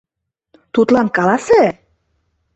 Тудлан каласе...